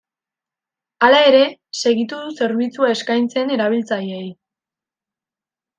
Hala ere, segitu du zerbitzua eskaintzen erabiltzaileei.